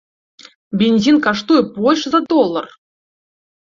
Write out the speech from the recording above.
Бензін каштуе больш за долар!